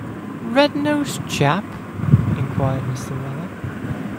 ‘Red-nosed chap?’ inquired Mr. Weller.